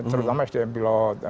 terutama sdm pilot